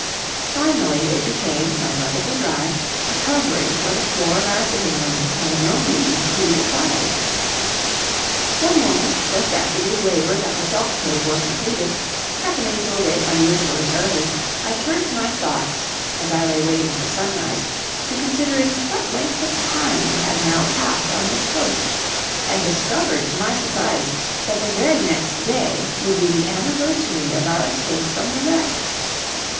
Finally it became, when perfectly dry, a covering for the floor of our sitting room by no means to be despised. One morning, just after these labors at the salt cave were completed, happening to awake unusually early, I turned my thoughts, as I lay waiting for sunrise, to considering what length of time we had now passed on this coast, and discovered, to my surprise, that the very next day would be the anniversary of our escape from the wreck.